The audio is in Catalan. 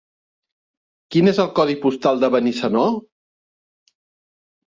Quin és el codi postal de Benissanó?